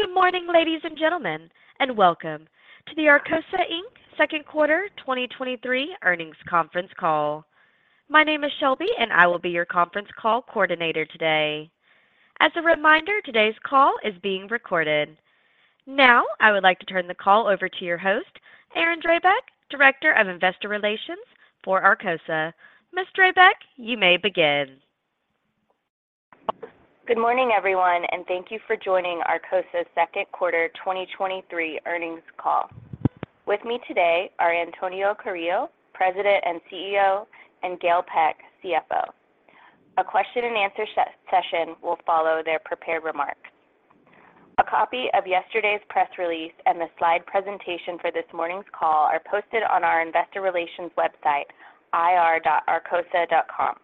Good morning, ladies and gentlemen, and welcome to the Arcosa Inc. Second Quarter 2023 Earnings Conference Call. My name is Shelby, and I will be your conference call coordinator today. As a reminder, today's call is being recorded. I would like to turn the call over to your host, Erin Drabek, Director of Investor Relations for Arcosa. Ms. Drabek, you may begin. Good morning, everyone, and thank you for joining Arcosa second quarter 2023 earnings call. With me today are Antonio Carrillo, President and CEO, and Gail Peck, CFO. A question and answer session will follow their prepared remarks. A copy of yesterday's press release and the slide presentation for this morning's call are posted on our investor relations website, ir.arcosa.com.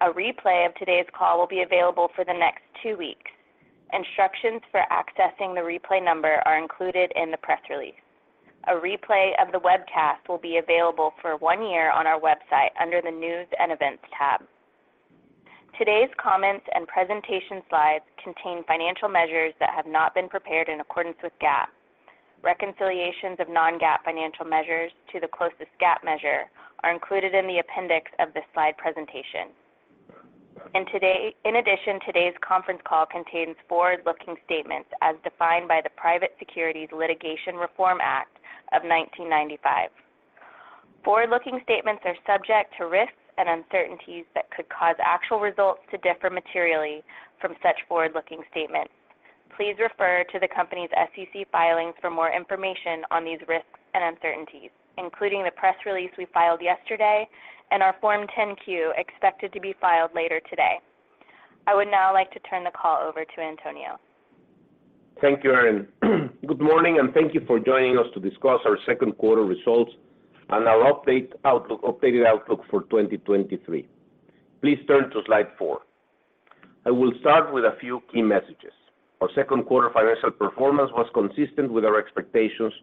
A replay of today's call will be available for the next two weeks. Instructions for accessing the replay number are included in the press release. A replay of the webcast will be available for one year on our website under the News and Events tab. Today's comments and presentation slides contain financial measures that have not been prepared in accordance with GAAP. Reconciliations of non-GAAP financial measures to the closest GAAP measure are included in the appendix of this slide presentation. In addition, today's conference call contains forward-looking statements as defined by the Private Securities Litigation Reform Act of 1995. Forward-looking statements are subject to risks and uncertainties that could cause actual results to differ materially from such forward-looking statements. Please refer to the company's SEC filings for more information on these risks and uncertainties, including the press release we filed yesterday and our Form 10-Q, expected to be filed later today. I would now like to turn the call over to Antonio. Thank you, Erin. Good morning, thank you for joining us to discuss our second quarter results and our update outlook, updated outlook for 2023. Please turn to Slide 4. I will start with a few key messages. Our second quarter financial performance was consistent with our expectations,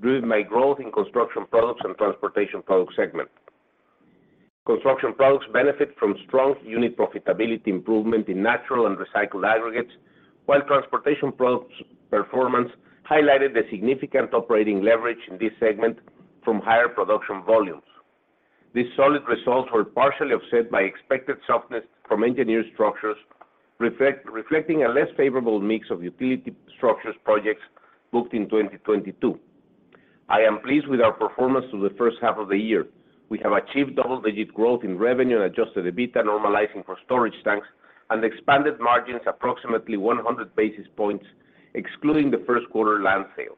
driven by growth in Construction Products and Transportation Products segment. Construction Products benefit from strong unit profitability improvement in natural and recycled aggregates, while Transportation Products performance highlighted the significant operating leverage in this segment from higher production volumes. These solid results were partially offset by expected softness from Engineered Structures, reflecting a less favorable mix of utility structures projects booked in 2022. I am pleased with our performance through the first half of the year. We have achieved double-digit growth in revenue and adjusted EBITDA, normalizing for storage tanks, and expanded margins approximately 100 basis points, excluding the first quarter land sale.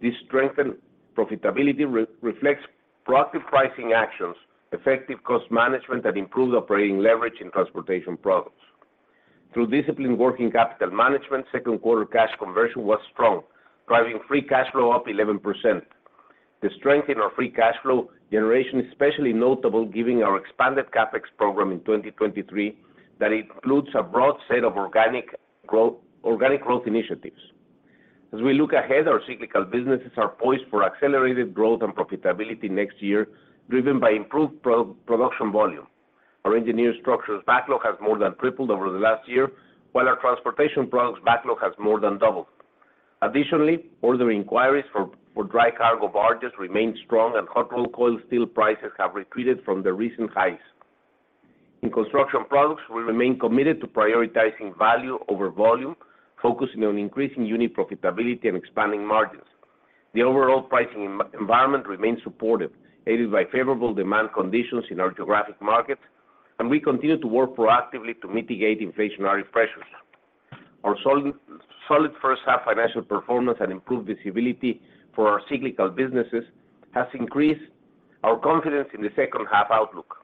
This strengthened profitability reflects proactive pricing actions, effective cost management, and improved operating leverage in Transportation Products. Through disciplined working capital management, second quarter cash conversion was strong, driving free cash flow up 11%. The strength in our free cash flow generation is especially notable giving our expanded CapEx program in 2023 that includes a broad set of organic growth, organic growth initiatives. As we look ahead, our cyclical businesses are poised for accelerated growth and profitability next year, driven by improved production volume. Our Engineered Structures backlog has more than tripled over the last year, while our Transportation Products backlog has more than doubled. Additionally, order inquiries for dry cargo barges remain strong and hot-rolled coil steel prices have retreated from the recent highs. In Construction Products, we remain committed to prioritizing value over volume, focusing on increasing unit profitability and expanding margins. The overall pricing environment remains supportive, aided by favorable demand conditions in our geographic markets, and we continue to work proactively to mitigate inflationary pressures. Our solid first half financial performance and improved visibility for our cyclical businesses has increased our confidence in the second half outlook.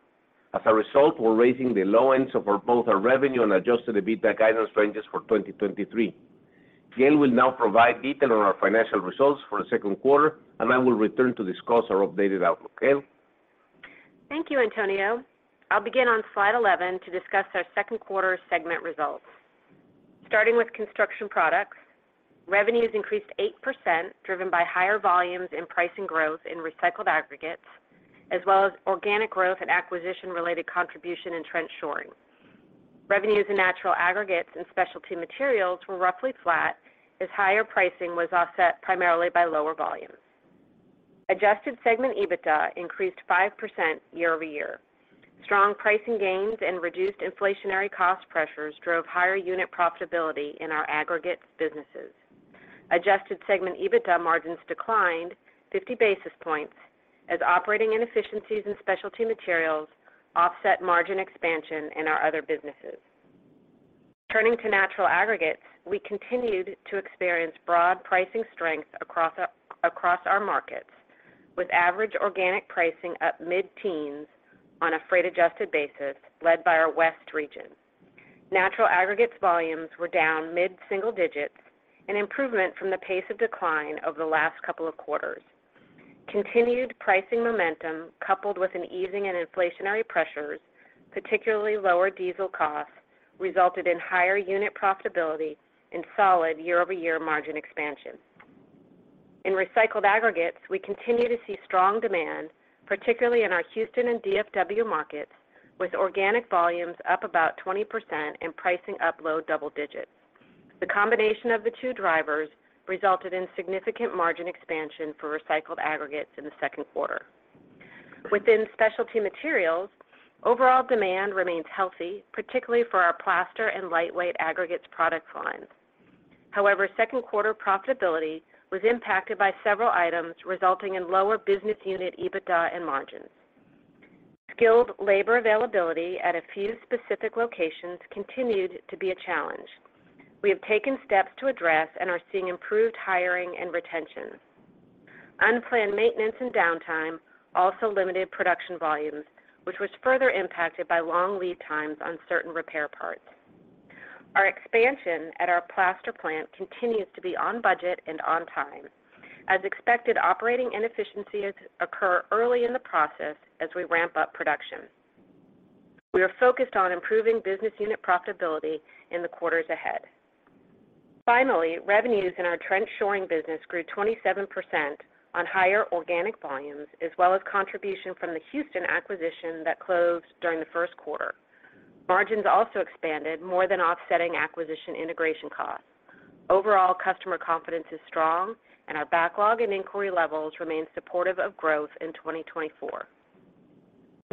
As a result, we're raising the low end of both our revenue and adjusted EBITDA guidance ranges for 2023. Gail will now provide detail on our financial results for the second quarter, and I will return to discuss our updated outlook. Gail? Thank you, Antonio. I'll begin on Slide 11 to discuss our second quarter segment results. Starting with Construction Products, revenues increased 8%, driven by higher volumes in pricing growth in recycled aggregates, as well as organic growth and acquisition-related contribution in trench shoring. Revenues in natural aggregates and specialty materials were roughly flat, as higher pricing was offset primarily by lower volumes. Adjusted segment EBITDA increased 5% year-over-year. Strong pricing gains and reduced inflationary cost pressures drove higher unit profitability in our aggregates businesses. Adjusted segment EBITDA margins declined 50 basis points as operating inefficiencies in specialty materials offset margin expansion in our other businesses. Turning to natural aggregates, we continued to experience broad pricing strength across our markets, with average organic pricing up mid-teens on a freight-adjusted basis, led by our West region. Natural aggregates volumes were down mid-single digits, an improvement from the pace of decline over the last couple of quarters. Continued pricing momentum, coupled with an easing in inflationary pressures, particularly lower diesel costs, resulted in higher unit profitability and solid year-over-year margin expansion. In recycled aggregates, we continue to see strong demand, particularly in our Houston and DFW markets, with organic volumes up about 20% and pricing up low double digits. The combination of the two drivers resulted in significant margin expansion for recycled aggregates in the second quarter. Within specialty materials, overall demand remains healthy, particularly for our plaster and lightweight aggregates product lines. Second quarter profitability was impacted by several items, resulting in lower business unit EBITDA and margins. Skilled labor availability at a few specific locations continued to be a challenge. We have taken steps to address and are seeing improved hiring and retention. Unplanned maintenance and downtime also limited production volumes, which was further impacted by long lead times on certain repair parts. Our expansion at our plaster plant continues to be on budget and on time. As expected, operating inefficiencies occur early in the process as we ramp up production. We are focused on improving business unit profitability in the quarters ahead. Finally, revenues in our trench shoring business grew 27% on higher organic volumes, as well as contribution from the Houston acquisition that closed during the first quarter. Margins also expanded, more than offsetting acquisition integration costs. Overall customer confidence is strong, and our backlog and inquiry levels remain supportive of growth in 2024.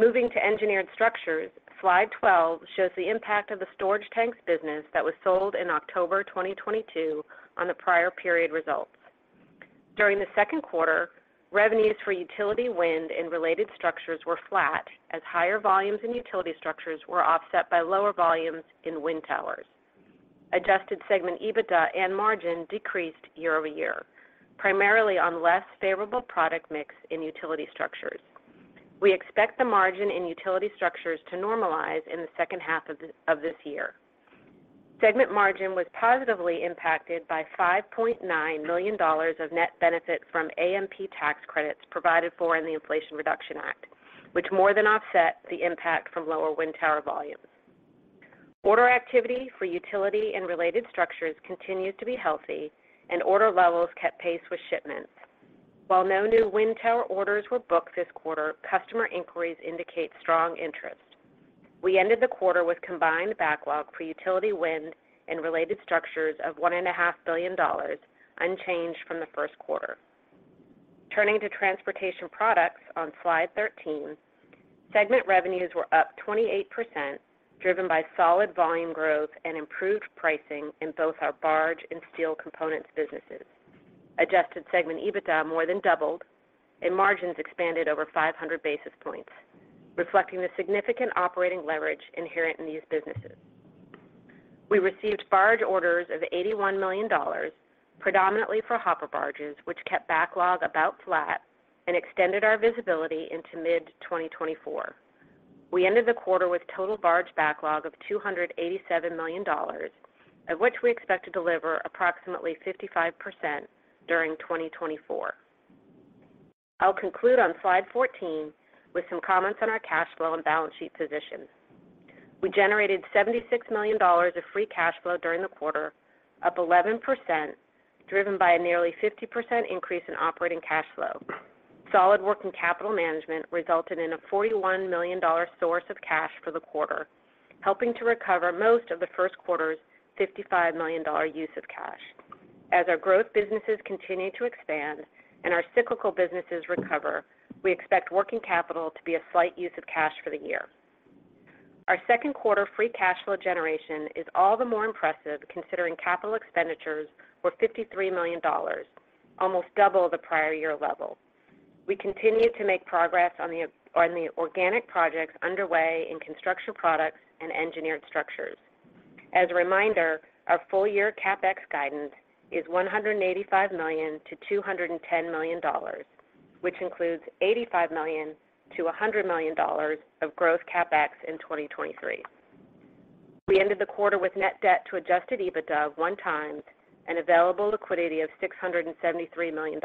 Moving to Engineered Structures, Slide 12 shows the impact of the storage tanks business that was sold in October 2022 on the prior period results. During the second quarter, revenues for utility, wind, and related structures were flat as higher volumes in utility structures were offset by lower volumes in wind towers. Adjusted segment EBITDA and margin decreased year-over-year, primarily on less favorable product mix in Utility Structures. We expect the margin in Utility Structures to normalize in the second half of this year. Segment margin was positively impacted by $5.9 million of net benefit from AMP tax credits provided for in the Inflation Reduction Act, which more more than offset the impact from lower wind towers volumes. Order activity for Utility and related structures continues to be healthy, and order levels kept pace with shipments. While no new wind towers orders were booked this quarter, customer inquiries indicate strong interest. We ended the quarter with combined backlog for utility, wind, and related structures of $1.5 billion, unchanged from the first quarter. Turning to Transportation Products on Slide 13, segment revenues were up 28%, driven by solid volume growth and improved pricing in both our barge and steel components businesses. Adjusted segment EBITDA more than doubled, and margins expanded over 500 basis points, reflecting the significant operating leverage inherent in these businesses. We received barge orders of $81 million, predominantly for hopper barges, which kept backlog about flat and extended our visibility into mid-2024. We ended the quarter with total barge backlog of $287 million, of which we expect to deliver approximately 55% during 2024. I'll conclude on Slide 14 with some comments on our cash flow and balance sheet position. We generated $76 million of free cash flow during the quarter, up 11%, driven by a nearly 50% increase in operating cash flow. Solid working capital management resulted in a $41 million source of cash for the quarter, helping to recover most of the first quarter's $55 million use of cash. As our growth businesses continue to expand and our cyclical businesses recover, we expect working capital to be a slight use of cash for the year. Our second quarter free cash flow generation is all the more impressive, considering capital expenditures were $53 million, almost double the prior year level. We continue to make progress on the organic projects underway in Construction Products and Engineered Structures. As a reminder, our full-year CapEx guidance is $185 million-$210 million, which includes $85 million-$100 million of growth CapEx in 2023. We ended the quarter with net debt to adjusted EBITDA 1x and available liquidity of $673 million.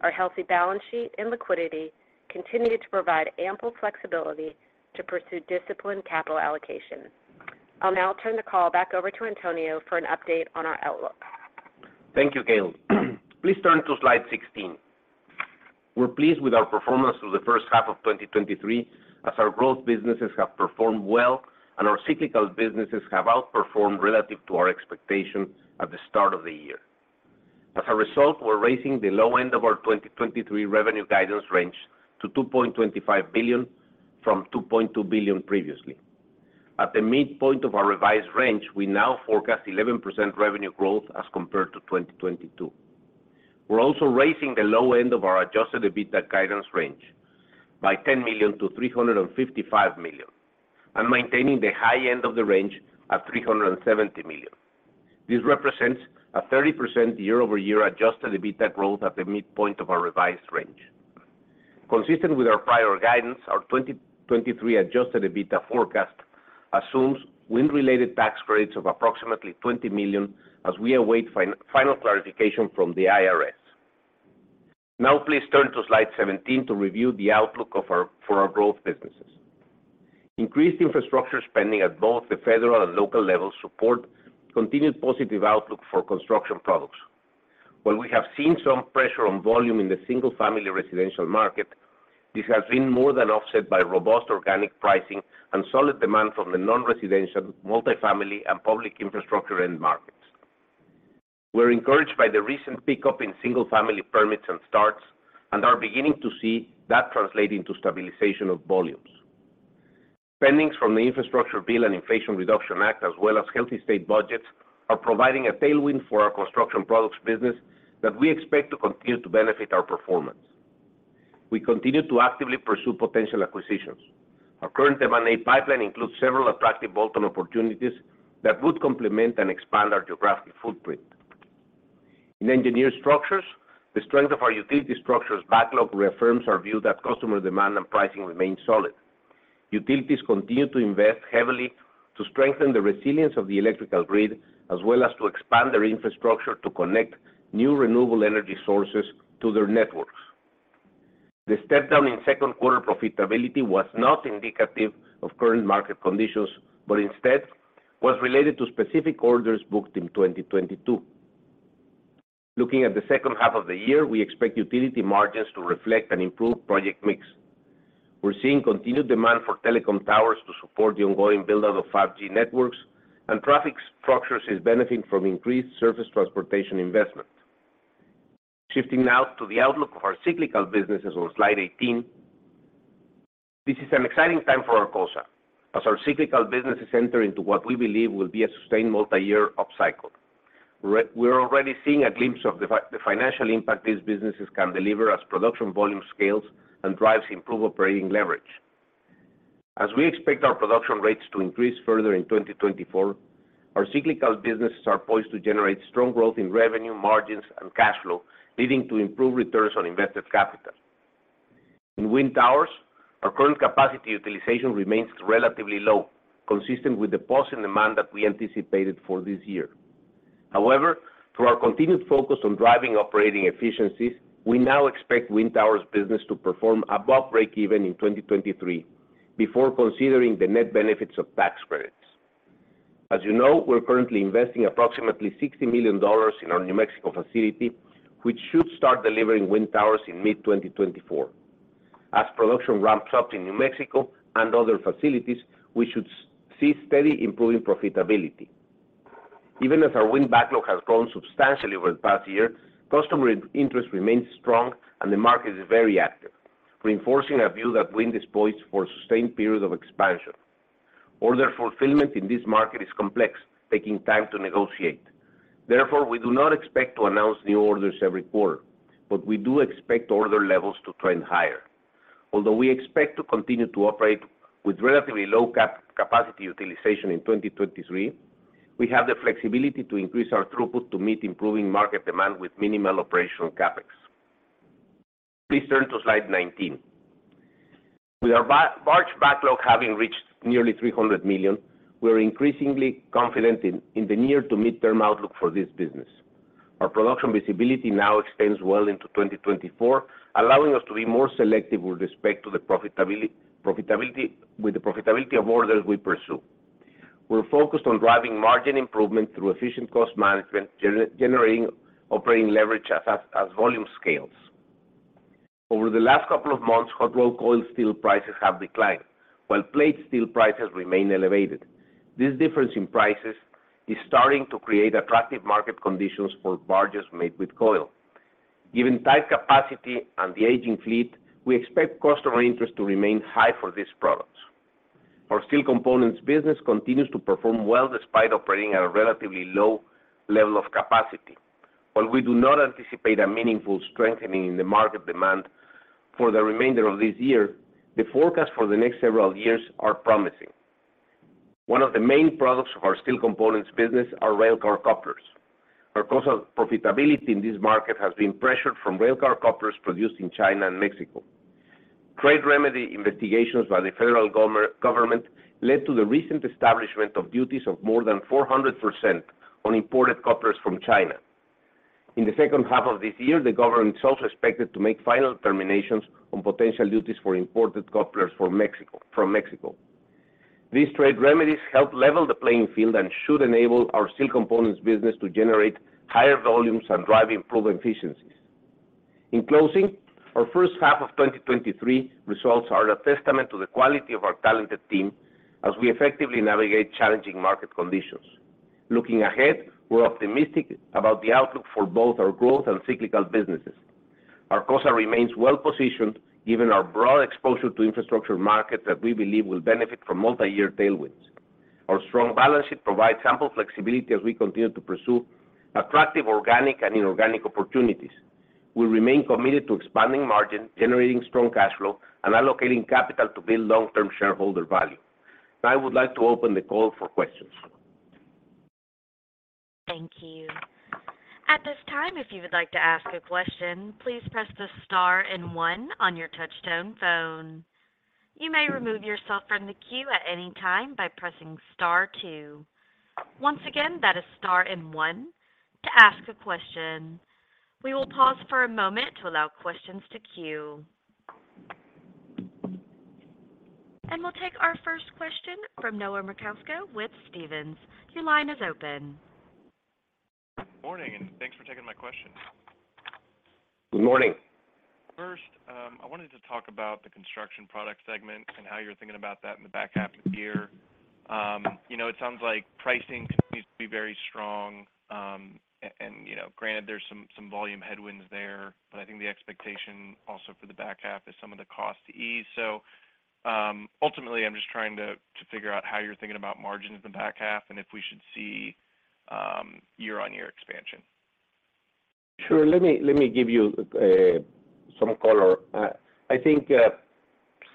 Our healthy balance sheet and liquidity continued to provide ample flexibility to pursue disciplined capital allocation. I'll now turn the call back over to Antonio for an update on our Outlook. Thank you, Gail. Please turn to Slide 16. We're pleased with our performance through the first half of 2023, as our growth businesses have performed well and our cyclical businesses have outperformed relative to our expectations at the start of the year. As a result, we're raising the low end of our 2023 revenue guidance range to $2.25 billion from $2.2 billion previously. At the midpoint of our revised range, we now forecast 11% revenue growth as compared to 2022. We're also raising the low end of our adjusted EBITDA guidance range by $10 million-$355 million, and maintaining the high end of the range at $370 million. This represents a 30% year-over-year adjusted EBITDA growth at the midpoint of our revised range. Consistent with our prior guidance, our 2023 adjusted EBITDA forecast assumes wind-related tax credits of approximately $20 million as we await final clarification from the IRS. Now, please turn to Slide 17 to review the outlook for our Growth businesses. Increased infrastructure spending at both the federal and local levels support continued positive outlook for Construction Products. While we have seen some pressure on volume in the single-family residential market, this has been more than offset by robust organic pricing and solid demand from the non-residential, multifamily, and public infrastructure end markets. We're encouraged by the recent pickup in single-family permits and starts, and are beginning to see that translating to stabilization of volumes. Spendings from the infrastructure bill and Inflation Reduction Act, as well as healthy state budgets, are providing a tailwind for our Construction Products business that we expect to continue to benefit our performance. We continue to actively pursue potential acquisitions. Our current M&A pipeline includes several attractive bolt-on opportunities that would complement and expand our geographic footprint. In Engineered Structures, the strength of our utility structures backlog reaffirms our view that customer demand and pricing remain solid. Utilities continue to invest heavily to strengthen the resilience of the electrical grid, as well as to expand their infrastructure to connect new renewable energy sources to their networks. The step down in second quarter profitability was not indicative of current market conditions, but instead was related to specific orders booked in 2022. Looking at the second half of the year, we expect utility margins to reflect an improved project mix. We're seeing continued demand for telecom towers to support the ongoing build-out of 5G networks, and traffic structures is benefiting from increased surface transportation investment. Shifting now to the outlook of our Cyclical businesses on Slide 18. This is an exciting time for Arcosa, as our Cyclical businesses enter into what we believe will be a sustained multi-year upcycle. We're, we're already seeing a glimpse of the financial impact these businesses can deliver as production volume scales and drives improved operating leverage. As we expect our production rates to increase further in 2024, our Cyclical businesses are poised to generate strong growth in revenue, margins, and cash flow, leading to improved returns on invested capital. In wind towers, our current capacity utilization remains relatively low, consistent with the pause in demand that we anticipated for this year. However, through our continued focus on driving operating efficiencies, we now expect wind towers business to perform above break even in 2023, before considering the net benefits of tax credits. As you know, we're currently investing approximately $60 million in our New Mexico facility, which should start delivering wind towers in mid-2024. As production ramps up in New Mexico and other facilities, we should see steady improving profitability. Even as our wind backlog has grown substantially over the past year, customer interest remains strong and the market is very active, reinforcing our view that wind is poised for a sustained period of expansion. Order fulfillment in this market is complex, taking time to negotiate. Therefore, we do not expect to announce new orders every quarter, but we do expect order levels to trend higher. Although we expect to continue to operate with relatively low capacity utilization in 2023, we have the flexibility to increase our throughput to meet improving market demand with minimal operational CapEx. Please turn to Slide 19. With our barge backlog having reached nearly $300 million, we are increasingly confident in the near to mid-term outlook for this business. Our production visibility now extends well into 2024, allowing us to be more selective with respect to the profitability of orders we pursue. We're focused on driving margin improvement through efficient cost management, generating operating leverage as volume scales. Over the last couple of months, hot-rolled coil steel prices have declined, while plate steel prices remain elevated. This difference in prices is starting to create attractive market conditions for barges made with coil. Given tight capacity and the aging fleet, we expect customer interest to remain high for these products. Our steel components business continues to perform well despite operating at a relatively low level of capacity. While we do not anticipate a meaningful strengthening in the market demand for the remainder of this year, the forecast for the next several years are promising. One of the main products of our Steel Components business are railcar couplers. Our cost of profitability in this market has been pressured from railcar couplers produced in China and Mexico. Trade remedy investigations by the federal government led to the recent establishment of duties of more than 400% on imported couplers from China. In the second half of this year, the government is also expected to make final determinations on potential duties for imported couplers from Mexico. These trade remedies help level the playing field and should enable our Steel Components business to generate higher volumes and drive improved efficiencies. In closing, our first half of 2023 results are a testament to the quality of our talented team as we effectively navigate challenging market conditions. Looking ahead, we're optimistic about the outlook for both our Growth and Cyclical businesses. Arcosa remains well positioned, given our broad exposure to infrastructure markets that we believe will benefit from multi-year tailwinds. Our strong balance sheet provides ample flexibility as we continue to pursue attractive organic and inorganic opportunities. We remain committed to expanding margin, generating strong cash flow, and allocating capital to build long-term shareholder value. Now, I would like to open the call for questions. Thank you. At this time, if you would like to ask a question, please press the star and one on your touch-tone phone. You may remove yourself from the queue at any time by pressing star two. Once again, that is star and one to ask a question. We will pause for a moment to allow questions to queue. We'll take our first question from Noah Merkousko with Stephens. Your line is open. Morning. Thanks for taking my question. Good morning. First, I wanted to talk about the Construction Products segment and how you're thinking about that in the back half of the year. You know, it sounds like pricing continues to be very strong, and you know, granted, there's some volume headwinds there, but I think the expectation also for the back half is some of the cost to ease. Ultimately, I'm just trying to figure out how you're thinking about margin in the back half, and if we should see year-over-year expansion. Sure. Let me, let me give you some color. I think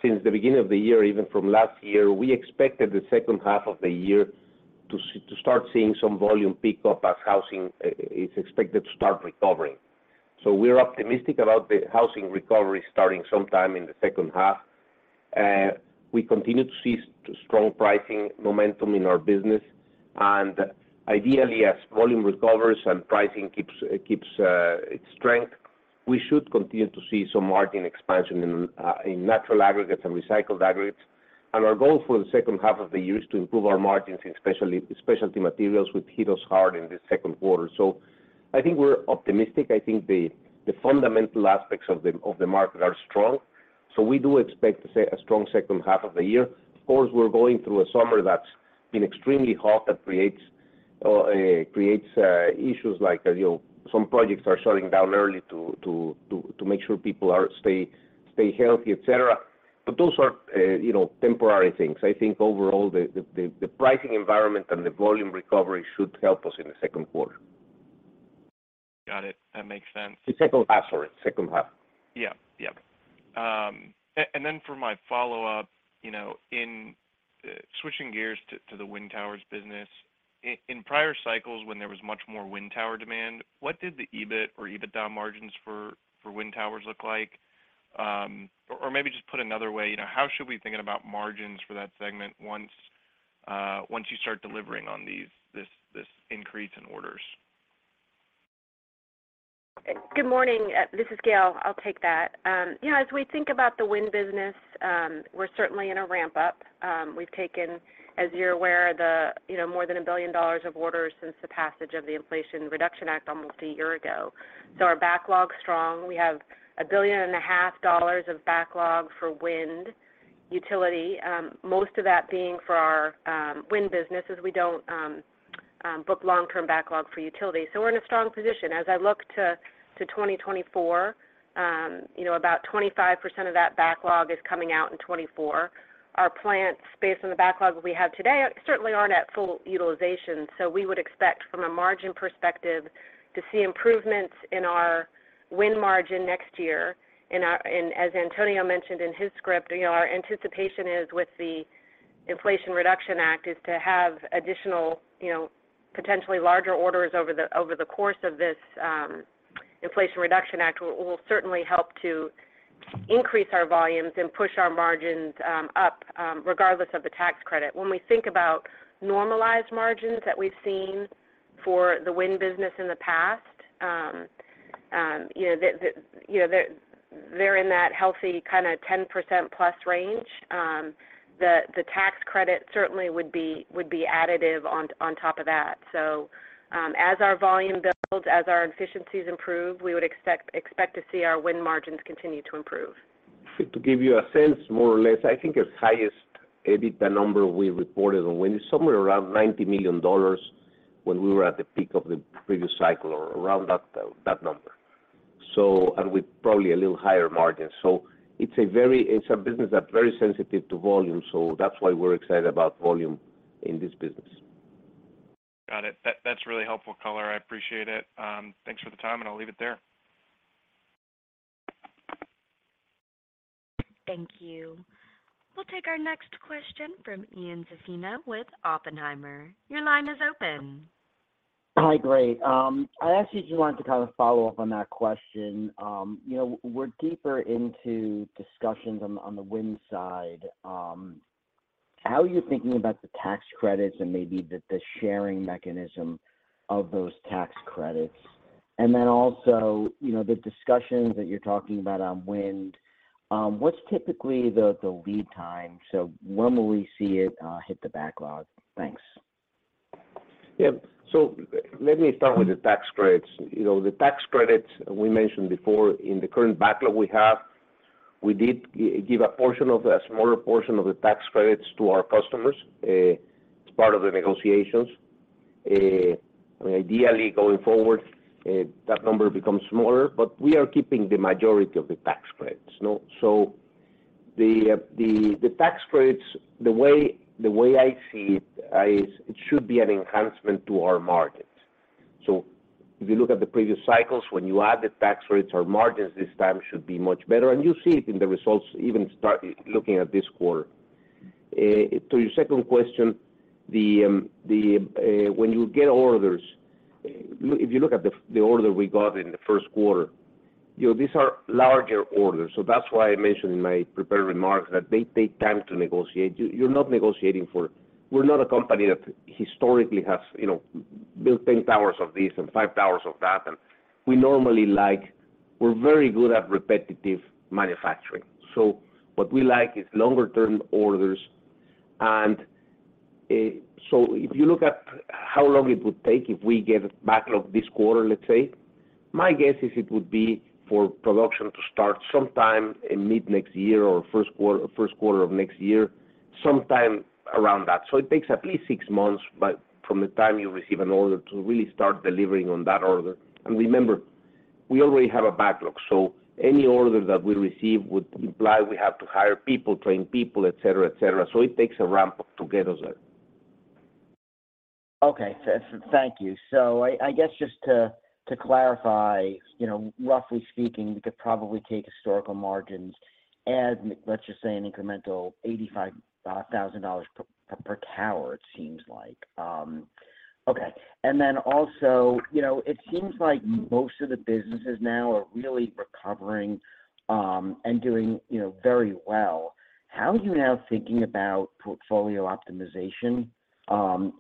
since the beginning of the year, even from last year, we expected the second half of the year to start seeing some volume pick up as housing is expected to start recovering. We're optimistic about the housing recovery starting sometime in the second half. We continue to see strong pricing momentum in our business, and ideally, as volume recovers and pricing keeps, keeps its strength, we should continue to see some margin expansion in natural aggregates and recycled aggregates. Our goal for the second half of the year is to improve our margins, in especially specialty materials, which hit us hard in the second quarter. I think we're optimistic. I think the, the fundamental aspects of the, of the market are strong. We do expect to see a strong second half of the year. Of course, we're going through a summer that's been extremely hot, that creates issues like, you know, some projects are shutting down early to make sure people are stay healthy, et cetera. Those are, you know, temporary things. I think overall, the, the, the, the pricing environment and the volume recovery should help us in the second quarter. Got it. That makes sense. The second half, sorry. Second half. Yeah. Yep. Then for my follow-up, you know, in switching gears to the wind towers business, in prior cycles, when there was much more wind tower demand, what did the EBIT or EBITDA margins for wind Towers look like? Maybe just put another way, you know, how should we be thinking about margins for that segment once once you start delivering on these, this, this increase in orders? Good morning, this is Gail. I'll take that. You know, as we think about the wind business, we're certainly in a ramp-up. We've taken, as you're aware, the, you know, more than $1 billion of orders since the passage of the Inflation Reduction Act almost one year ago. Our backlog's strong. We have $1.5 billion of backlog for wind utility, most of that being for our wind businesses. We don't book long-term backlog for utility. We're in a strong position. As I look to 2024, you know, about 25% of that backlog is coming out in 2024. Our plants, based on the backlog that we have today, certainly aren't at full utilization, so we would expect, from a margin perspective, to see improvements in our wind margin next year. As Antonio mentioned in his script, you know, our anticipation is with the Inflation Reduction Act, is to have additional, you know, potentially larger orders over the course of this, Inflation Reduction Act, will certainly help to increase our volumes and push our margins, up, regardless of the tax credit. When we think about normalized margins that we've seen for the wind business in the past, you know, they're, they're in that healthy kind of 10% plus range. The tax credit certainly would be, would be additive on top of that. As our volume builds, as our efficiencies improve, we would expect, expect to see our wind margins continue to improve. To give you a sense, more or less, I think our highest EBITDA number we reported on wind is somewhere around $90 million when we were at the peak of the previous cycle or around that, that number, and with probably a little higher margin. It's a business that's very sensitive to volume, so that's why we're excited about volume in this business. Got it. That, that's really helpful color. I appreciate it. Thanks for the time. I'll leave it there. Thank you. We'll take our next question from Ian Zaffino with Oppenheimer. Your line is open. Hi, great. I actually just wanted to kind of follow up on that question. You know, we're deeper into discussions on, on the wind side. How are you thinking about the tax credits and maybe the, the sharing mechanism of those tax credits? Also, you know, the discussions that you're talking about on wind, what's typically the, the lead time? When will we see it hit the backlog? Thanks. Yeah. Let me start with the tax credits. You know, the tax credits, we mentioned before, in the current backlog we have, we did give a portion of a smaller portion of the tax credits to our customers, as part of the negotiations. Ideally, going forward, that number becomes smaller, but we are keeping the majority of the tax credits, no? The, the, the tax credits, the way, the way I see it, is it should be an enhancement to our margins. If you look at the previous cycles, when you add the tax rates, our margins this time should be much better, and you see it in the results, even start looking at this quarter. To your second question, the, the, when you get orders, if you look at the, the order we got in the first quarter, you know, these are larger orders, so that's why I mentioned in my prepared remarks that they take time to negotiate. You, you're not negotiating for, We're not a company that historically has, you know, built 10 towers of this and five towers of that, and we normally like, We're very good at repetitive manufacturing. What we like is longer term orders. If you look at how long it would take, if we get a backlog this quarter, let's say, my guess is it would be for production to start sometime in mid-next year or first quarter, first quarter of next year, sometime around that. It takes at least six months, but from the time you receive an order to really start delivering on that order. Remember, we already have a backlog, so any order that we receive would imply we have to hire people, train people, et cetera, et cetera. It takes a ramp-up to get there. Thank you. I, I guess just to, to clarify, you know, roughly speaking, we could probably take historical margins, add, let's just say, an incremental $85,000 per, per tower, it seems like. Okay. Also, you know, it seems like most of the businesses now are really recovering, and doing, you know, very well. How are you now thinking about portfolio optimization,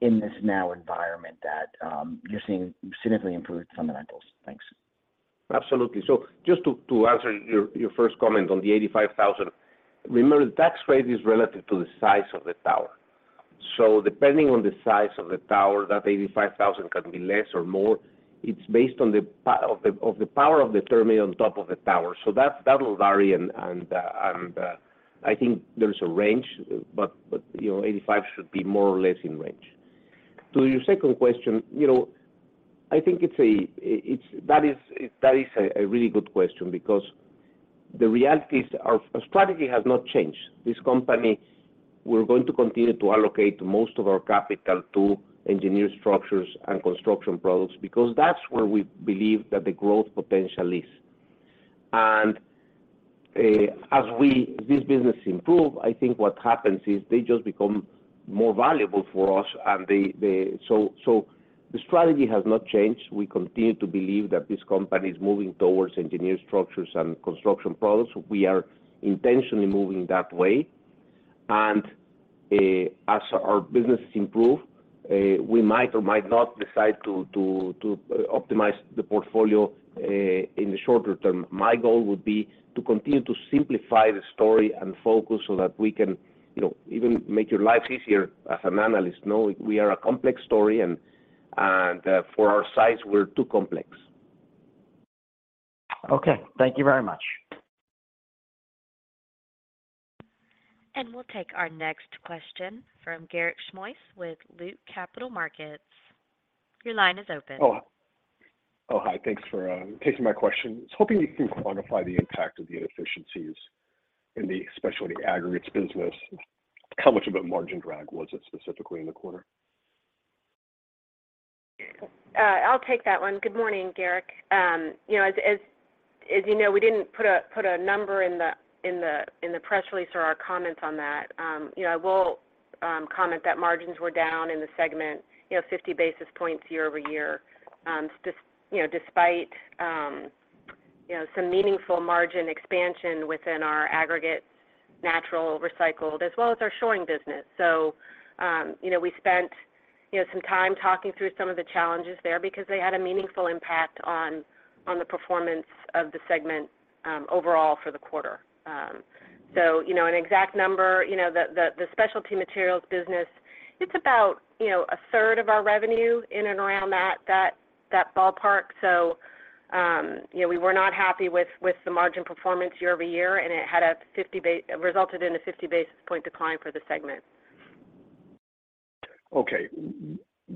in this now environment that, you're seeing significantly improved fundamentals? Thanks. Absolutely. Just to, to answer your, your first comment on the $85,000, remember, the tax rate is relative to the size of the tower. Depending on the size of the tower, that $85,000 can be less or more. It's based on the of the, of the power of the terminal on top of the tower. That, that will vary and, and I think there is a range, but, but, you know, 85 should be more or less in range. To your second question, you know, I think it's a, that is, that is a, a really good question because the reality is our strategy has not changed. This company, we're going to continue to allocate most of our capital to Engineered Structures and Construction Products, because that's where we believe that the growth potential is. This business improve, I think what happens is they just become more valuable for us, and they, they... The strategy has not changed. We continue to believe that this company is moving towards Engineered Structures and Construction Products. We are intentionally moving that way. As our business improve, we might or might not decide to, to, to optimize the portfolio in the shorter term. My goal would be to continue to simplify the story and focus so that we can, you know, even make your lives easier as an analyst, knowing we are a complex story, and, and, for our size, we're too complex. Okay. Thank you very much. We'll take our next question from Garik Shmois with Loop Capital Markets. Your line is open. Oh, oh, hi. Thanks for taking my question. I was hoping you can quantify the impact of the inefficiencies in the, especially the aggregates business. How much of a margin drag was it specifically in the quarter? I'll take that one. Good morning, Garik. You know, as, as, as you know, we didn't put a, put a number in the, in the, in the press release or our comments on that. You know, I will comment that margins were down in the segment, you know, 50 basis points year-over-year, despite, you know, some meaningful margin expansion within our Aggregate, Natural, Recycled, as well as our shoring business. You know, we spent, you know, some time talking through some of the challenges there because they had a meaningful impact on, on the performance of the segment overall for the quarter. You know, an exact number, you know, the Specialty Materials business, it's about, you know, 1/3 of our revenue in and around that ballpark. You know, we were not happy with, with the margin performance year-over-year, and resulted in a 50 basis point decline for the segment. Okay.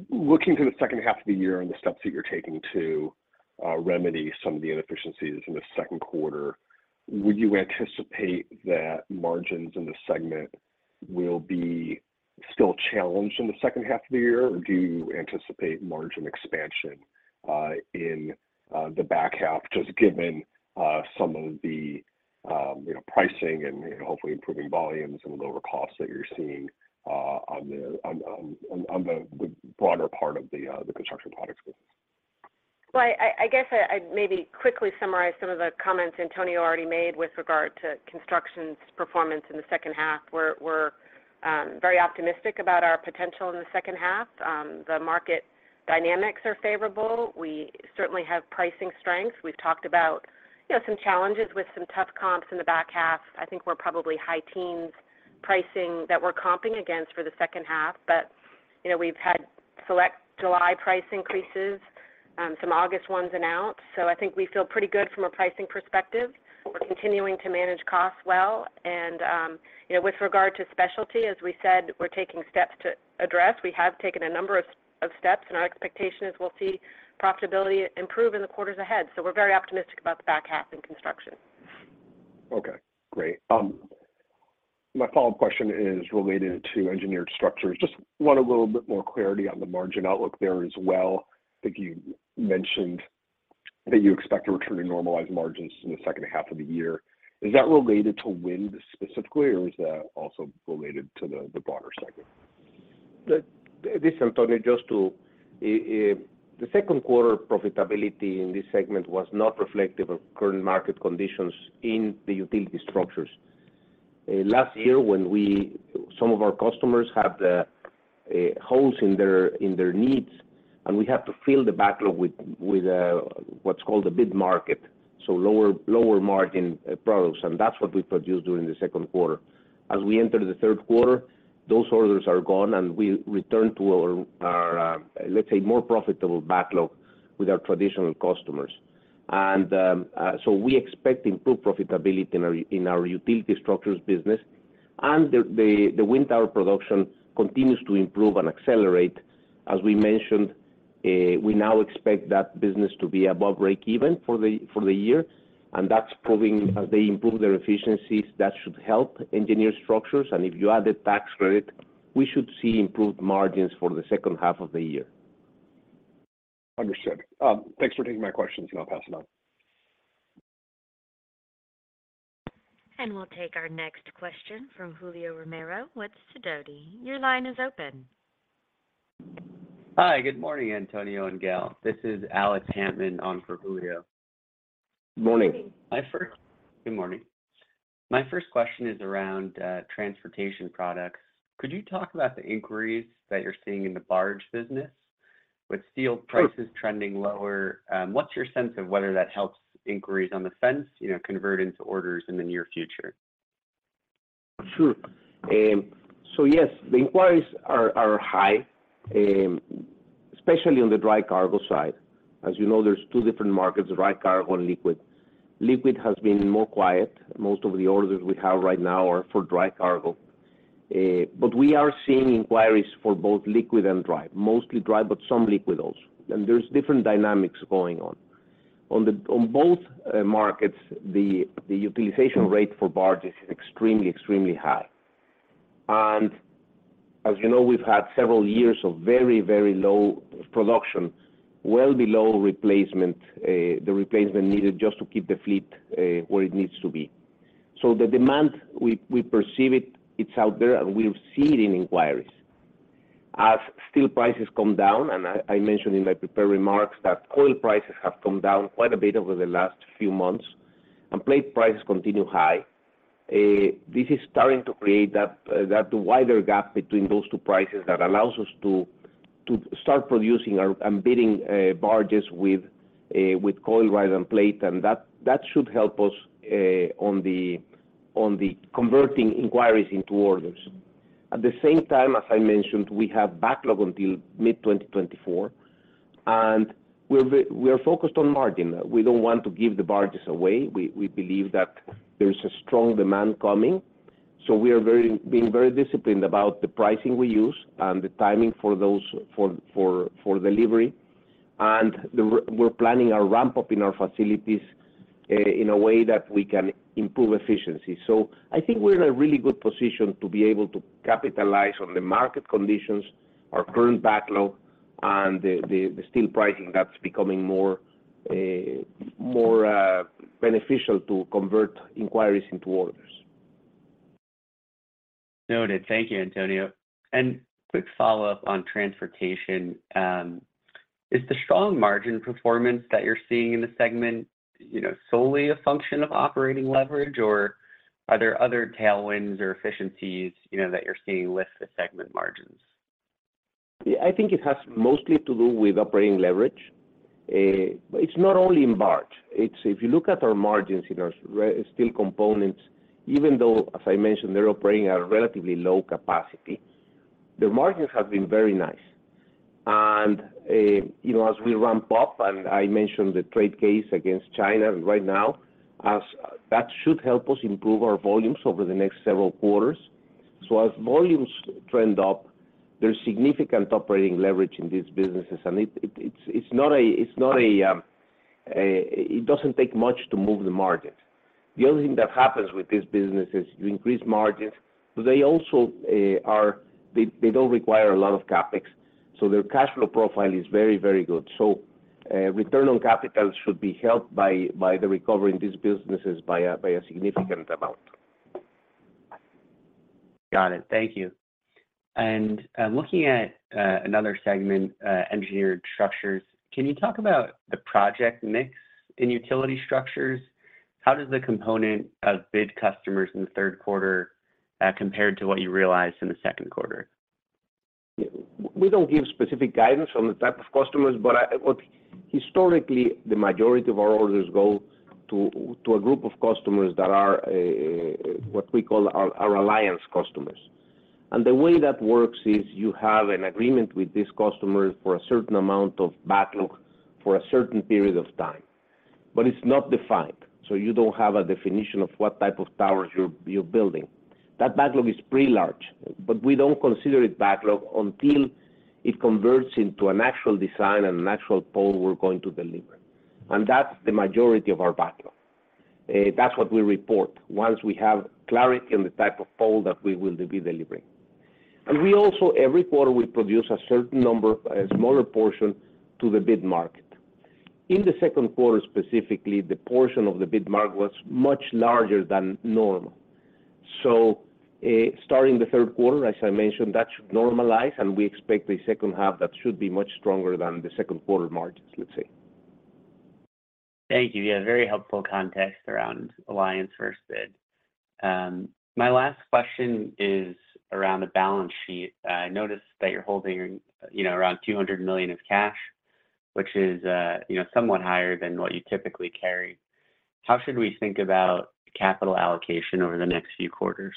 Looking to the second half of the year and the steps that you're taking to remedy some of the inefficiencies in the second quarter, would you anticipate that margins in the segment will be still challenged in the second half of the year? Or do you anticipate margin expansion in the back half, just given some of the, you know, pricing and, and hopefully improving volumes and lower costs that you're seeing on the broader part of the Construction Products group? Well, I guess I'd maybe quickly summarize some of the comments Antonio already made with regard to Construction's performance in the second half. We're very optimistic about our potential in the second half. The market dynamics are favorable. We certainly have pricing strength. We've talked about, you know, some challenges with some tough comps in the back half. I think we're probably high teens pricing that we're comping against for the second half. You know, we've had select July price increases, some August ones announced, so I think we feel pretty good from a pricing perspective. We're continuing to manage costs well. You know, with regard to Specialty, as we said, we're taking steps to address. We have taken a number of, of steps, and our expectation is we'll see profitability improve in the quarters ahead. We're very optimistic about the back half in construction. Okay, great. My follow-up question is related to Engineered Structures. Just want a little bit more clarity on the margin outlook there as well. I think you mentioned that you expect to return to normalized margins in the second half of the year. Is that related to wind specifically, or is that also related to the, the broader segment? This, Antonio, just to, the second quarter profitability in this segment was not reflective of current market conditions in the utility structures. Last year, when we, some of our customers had, holes in their, in their needs, and we had to fill the backlog with, with, what's called a bid market, so lower, lower margin, products, and that's what we produced during the second quarter. As we enter the third quarter, those orders are gone, and we return to our, our, let's say, more profitable backlog with our traditional customers. So we expect improved profitability in our, in our utility structures business. The wind tower production continues to improve and accelerate. As we mentioned, we now expect that business to be above breakeven for the, for the year. That's proving as they improve their efficiencies, that should help Engineered Structures. If you add the tax credit, we should see improved margins for the second half of the year. Understood. Thanks for taking my questions, and I'll pass them on. We'll take our next question from Julio Romero with Sidoti. Your line is open. Hi, good morning, Antonio and Gail. This is Alex Hantman on for Julio. Morning. Morning. Good morning. My first question is around Transportation Products. Could you talk about the inquiries that you're seeing in the barge business? With steel prices. Sure... trending lower, what's your sense of whether that helps inquiries on the fence, you know, convert into orders in the near future? Sure. Yes, the inquiries are, are high, especially on the dry cargo side. As you know, there's two different markets, dry cargo and liquid. Liquid has been more quiet. Most of the orders we have right now are for dry cargo. We are seeing inquiries for both liquid and dry. Mostly dry, some liquid also. There's different dynamics going on. On the On both markets, the utilization rate for barge is extremely, extremely high. As you know, we've had several years of very, very low production, well below replacement, the replacement needed just to keep the fleet where it needs to be. The demand, we, we perceive it, it's out there, and we've seen it in inquiries. As steel prices come down, and I, I mentioned in my prepared remarks that coil prices have come down quite a bit over the last few months, and plate prices continue high, this is starting to create that wider gap between those two prices that allows us to, to start producing our, and bidding, barges with coil rise and plate, and that, that should help us on the, on the converting inquiries into orders. At the same time, as I mentioned, we have backlog until mid-2024, and we're we are focused on margin. We don't want to give the barges away. We, we believe that there's a strong demand coming, so we are very, being very disciplined about the pricing we use and the timing for those delivery. We're planning our ramp-up in our facilities, in a way that we can improve efficiency. I think we're in a really good position to be able to capitalize on the market conditions, our current backlog, and the, the, the steel pricing that's becoming more, more beneficial to convert inquiries into orders. Noted. Thank you, Antonio. Quick follow-up on Transportation. Is the strong margin performance that you're seeing in the segment, you know, solely a function of operating leverage, or are there other tailwinds or efficiencies, you know, that you're seeing with the segment margins? Yeah, I think it has mostly to do with operating leverage. It's not only in barge. If you look at our margins in our Steel Components, even though, as I mentioned, they're operating at a relatively low capacity, the margins have been very nice. You know, as we ramp up, and I mentioned the trade case against China right now, That should help us improve our volumes over the next several quarters. As volumes trend up, there's significant operating leverage in these businesses, and it's not a, it's not a, it doesn't take much to move the market. The other thing that happens with this business is, you increase margins, but they also, they don't require a lot of CapEx, so their cash flow profile is very, very good. Return on capital should be helped by the recovery in these businesses by a significant amount. Got it. Thank you. Looking at another segment, Engineered Structures, can you talk about the project mix in Utility Structures? How does the component of bid customers in the third quarter compare to what you realized in the second quarter? We don't give specific guidance on the type of customers, but Look, historically, the majority of our orders go to, to a group of customers that are what we call our Alliance customers. The way that works is you have an agreement with these customers for a certain amount of backlog for a certain period of time, but it's not defined. You don't have a definition of what type of towers you're, you're building. That backlog is pretty large, but we don't consider it backlog until it converts into an actual design and an actual pole we're going to deliver, and that's the majority of our backlog. That's what we report once we have clarity on the type of pole that we will be delivering. We also, every quarter, we produce a certain number, a smaller portion, to the bid market. in the second quarter, specifically, the portion of the bid mark was much larger than normal. Starting the third quarter, as I mentioned, that should normalize, and we expect the second half, that should be much stronger than the second quarter margins, let's say. Thank you. Yeah, very helpful context around alliance versus bid. My last question is around the balance sheet. I noticed that you're holding, you know, around $200 million of cash, which is, you know, somewhat higher than what you typically carry. How should we think about capital allocation over the next few quarters?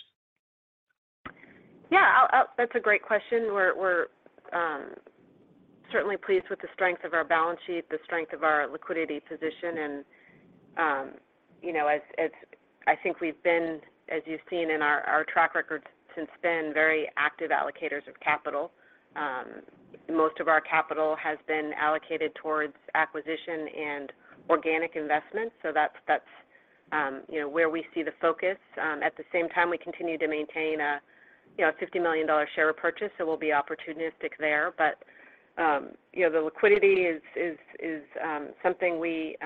Yeah, That's a great question. We're, we're, certainly pleased with the strength of our balance sheet, the strength of our liquidity position, and, you know, as, as I think we've been, as you've seen in our, our track record since been very active allocators of capital. Most of our capital has been allocated towards acquisition and organic investment, so that's, that's, you know, where we see the focus. At the same time, we continue to maintain a, you know, a $50 million share repurchase, so we'll be opportunistic there. You know, the liquidity is, is, is, something we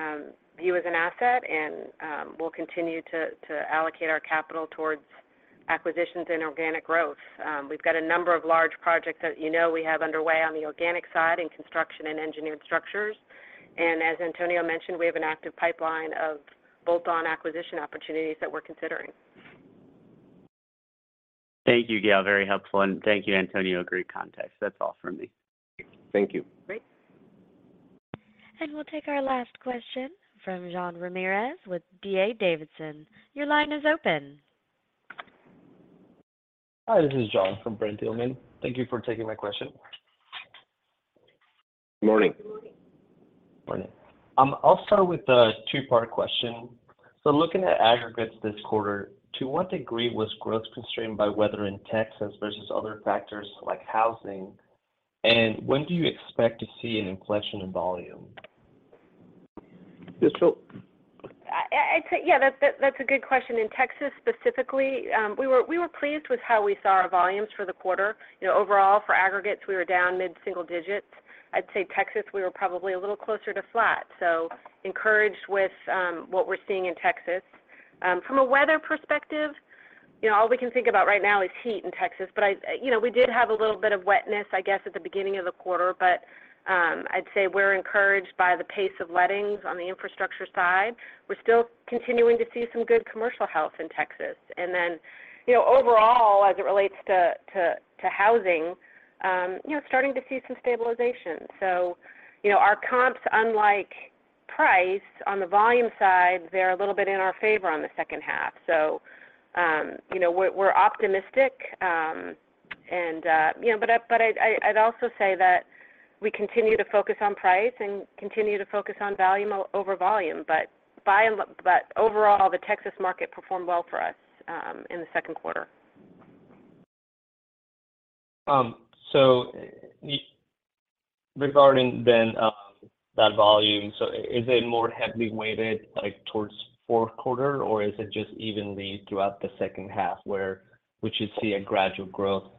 view as an asset, and, we'll continue to, to allocate our capital towards acquisitions and organic growth. We've got a number of large projects that, you know, we have underway on the organic side in Construction and Engineered Structures. As Antonio mentioned, we have an active pipeline of bolt-on acquisition opportunities that we're considering. Thank you, Gail. Very helpful. Thank you, Antonio. Great context. That's all for me. Thank you. Great. We'll take our last question from Jean Ramirez with D.A. Davidson. Your line is open. Hi, this is Jean from Brent Thielman. Thank you for taking my question. Good morning. Good morning. Morning. I'll start with a two-part question. Looking at aggregates this quarter, to what degree was growth constrained by weather in Texas versus other factors like housing? When do you expect to see an inflection in volume? Yes. I'd say, yeah, that's a good question. In Texas, specifically, we were pleased with how we saw our volumes for the quarter. You know, overall, for aggregates, we were down mid-single digits. I'd say Texas, we were probably a little closer to flat, so encouraged with what we're seeing in Texas. From a weather perspective, you know, all we can think about right now is heat in Texas, but, you know, we did have a little bit of wetness, I guess, at the beginning of the quarter. I'd say we're encouraged by the pace of lettings on the infrastructure side. We're still continuing to see some good commercial health in Texas. Then, you know, overall, as it relates to housing, you know, starting to see some stabilization. You know, our comps, unlike price, on the volume side, they're a little bit in our favor on the second half. You know, we're, we're optimistic. You know, but I, but I, I'd also say that we continue to focus on price and continue to focus on value over volume. By and large, but overall, the Texas market performed well for us in the second quarter. Regarding that volume, is it more heavily weighted, like, towards fourth quarter, or is it just evenly throughout the second half, where we should see a gradual growth?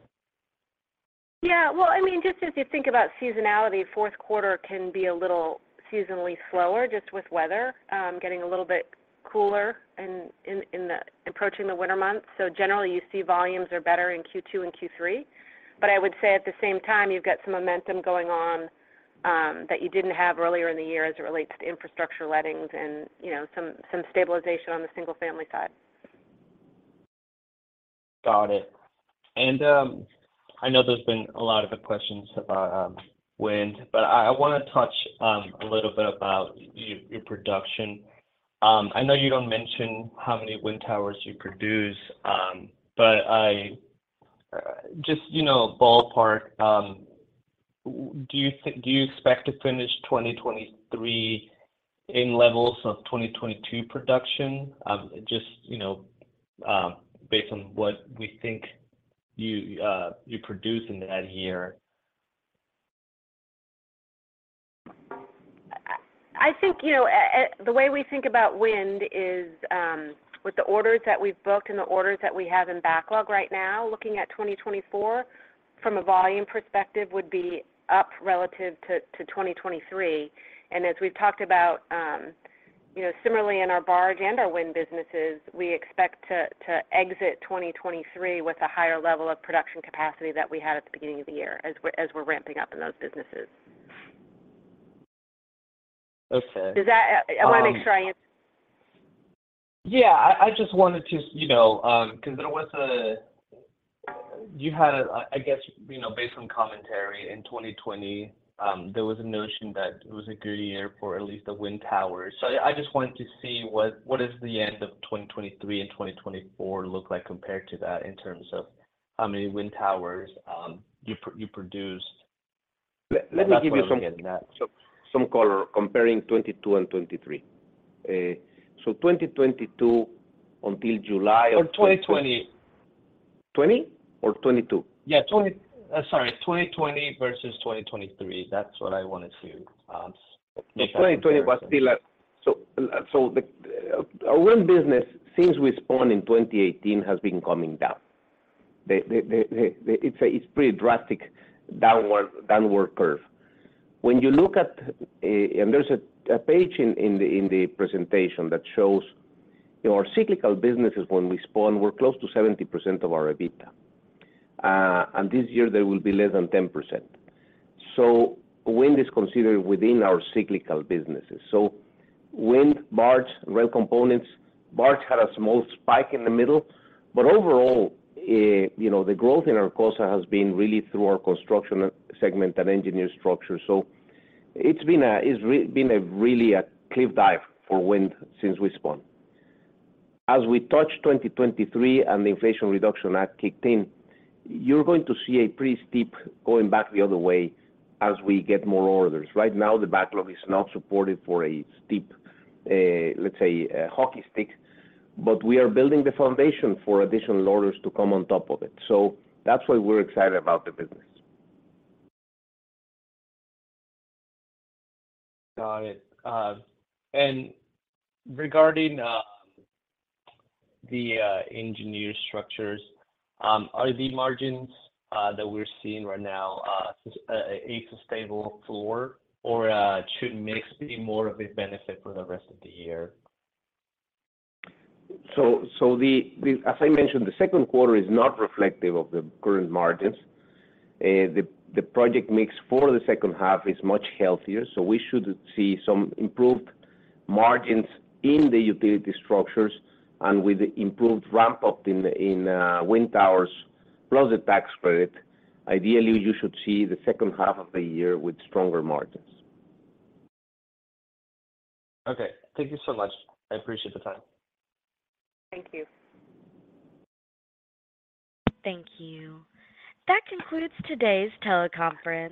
Yeah, well, I mean, just as you think about seasonality, fourth quarter can be a little seasonally slower, just with weather, getting a little bit cooler and approaching the winter months. Generally, you see volumes are better in Q2 and Q3. I would say at the same time, you've got some momentum going on, that you didn't have earlier in the year as it relates to infrastructure lettings and, you know, some, some stabilization on the single-family side. Got it. I know there's been a lot of the questions about wind, but I, I wanna touch a little bit about your production. I know you don't mention how many wind towers you produce, but I, just, you know, ballpark, do you expect to finish 2023 in levels of 2022 production? Just, you know, based on what we think you produce in that year. I think, you know, the way we think about wind is, with the orders that we've booked and the orders that we have in backlog right now, looking at 2024 from a volume perspective, would be up relative to, to 2023. As we've talked about, you know, similarly in our barge and our wind businesses, we expect to, to exit 2023 with a higher level of production capacity that we had at the beginning of the year, as we're, as we're ramping up in those businesses. Okay. Does that... I wanna make sure I answer- Yeah, I, I just wanted to, you know, because there was a, you had a, I guess, you know, based on commentary in 2020, there was a notion that it was a good year for at least the wind towers. I just wanted to see what, what is the end of 2023 and 2024 look like compared to that, in terms of how many wind towers you produced? Let me give you some. That's what I'm getting at.... some color, comparing 2022 and 2023. 2022, until July of 20- 2020. 20 or 2022? Yeah, 20... Sorry, 2020 versus 2023. That's what I wanted to look at. Our wind business, since we spawned in 2018, has been coming down. It's a pretty drastic downward, downward curve. When you look at, there's a page in the presentation that shows, you know, our Cyclical businesses when we spun were close to 70% of our EBITDA. This year they will be less than 10%. Wind is considered within our Cyclical businesses. Wind, barge, rail components. Barge had a small spike in the middle, overall, you know, the growth in Arcosa has been really through our construction segment and engineered structure. It's been a really a cliff dive for wind since we spun. As we touch 2023 and the Inflation Reduction Act kicked in, you're going to see a pretty steep going back the other way as we get more orders. Right now, the backlog is not supportive for a steep, let's say a hockey stick, but we are building the foundation for additional orders to come on top of it. That's why we're excited about the business. Got it. Regarding the Engineered Structures, are the margins that we're seeing right now a sustainable floor, or should we see more of a benefit for the rest of the year? The, the as I mentioned, the second quarter is not reflective of the current margins. The, the project mix for the second half is much healthier, so we should see some improved margins in the utility structures, and with the improved ramp-up in the, in wind towers, plus the tax credit, ideally, you should see the second half of the year with stronger margins. Okay. Thank you so much. I appreciate the time. Thank you. Thank you. That concludes today's teleconference.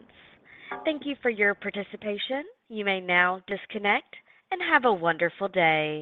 Thank you for your participation. You may now disconnect and have a wonderful day.